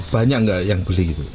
banyak nggak yang beli gitu